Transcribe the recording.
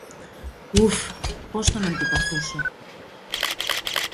Ουφ! Πώς τον αντιπαθούσα.